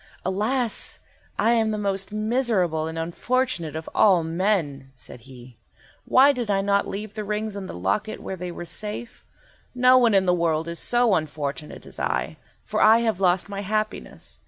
"Alas! I am the most miserable and unfortunate of all men," said he. "Why did I not leave the rings in the locket where they were safe? No one in the world is so unfortunate as I, for I have lost my happiness.